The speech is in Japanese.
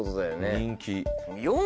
人気。